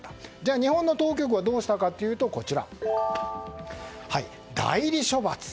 日本の当局はどうしたかというと代理処罰。